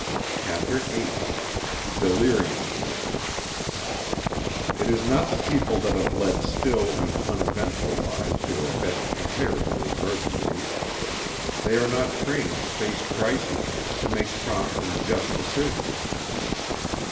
CHAPTER VIII DELIRIUM It is not the people that have led still and uneventful lives who are best prepared for emergencies. They are not trained to face crises, to make prompt and just decisions.